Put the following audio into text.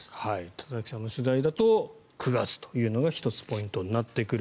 田崎さんの取材だと９月だというのが１つポイントになってくる。